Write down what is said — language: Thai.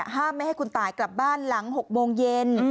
ไม่ให้คุณตายกลับบ้านหลัง๖โมงเย็น